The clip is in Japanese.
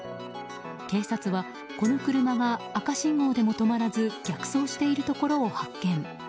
警察は、この車が赤信号でも止まらず逆走しているところを発見。